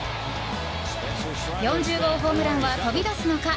４０号ホームランは飛び出すのか。